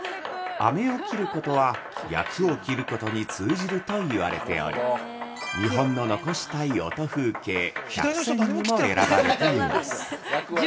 あめを切る事は厄を切ることに通じるといわれており日本の残したい音風景１００選にも選ばれています。